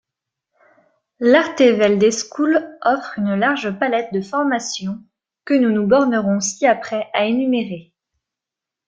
L’Arteveldeschool offre une large palette de formations, que nous nous bornerons ci-après à énumérer.